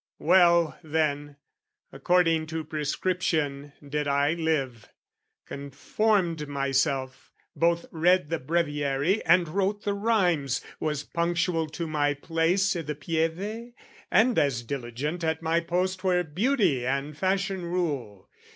Well, then, According to prescription did I live, Conformed myself, both read the breviary And wrote the rhymes, was punctual to my place I' the Pieve, and as diligent at my post Where beauty and fashion rule.